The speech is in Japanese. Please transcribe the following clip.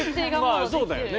まあそうだよね。